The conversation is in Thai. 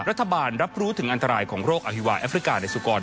รัฐบาลรับรู้ถึงอันตรายของโรคอฮิวาแอฟริกาในสุกร